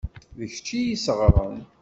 D kečč i y-isseɣren.